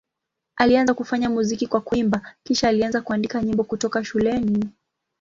Alianza kufanya muziki kwa kuimba, kisha alianza kuandika nyimbo kutoka shuleni.